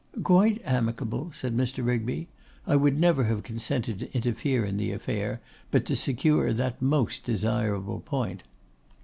'Quite amicable,' said Mr. Rigby. 'I would never have consented to interfere in the affair, but to secure that most desirable point.